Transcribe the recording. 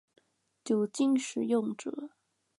酒精使用者